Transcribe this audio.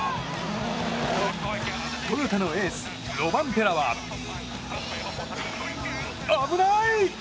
トヨタのエース、ロバンペラは危ない！